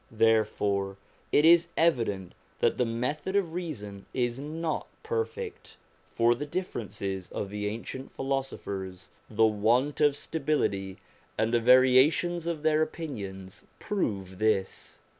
Therefore it is evident that the method of reason is not perfect ; for the differences of the ancient philosophers, the want of stability and the variations of their opinions, prove this.